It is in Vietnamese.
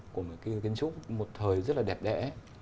của một cái kiến trúc một thời rất là đẹp đẽ